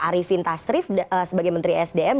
arifin tasrif sebagai menteri sdm